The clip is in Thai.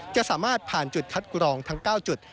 จะสามารถผ่านจุดคัดกรองทั้ง๙จุด